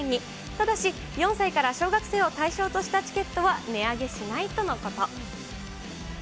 ただし４歳から小学生を対象としたチケットは値上げしないとのこと。